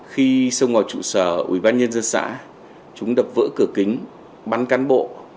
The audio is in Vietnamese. khi xông vào trụ sở ubnd xã chúng đập vỡ cửa kính bắn cán bộ